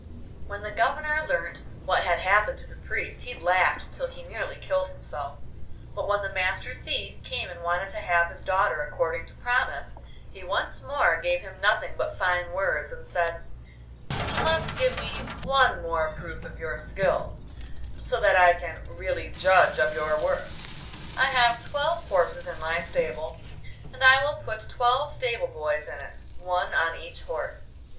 When the Governor learnt what had happened to the Priest he laughed till he nearly killed himself, but when the Master Thief came and wanted to have his daughter according to promise, he once more gave him nothing but fine words, and said, 'You must give me one more proof of your skill, so that I can really judge of your worth. I have twelve horses in my stable, and I will put twelve stable boys in it, one on each horse.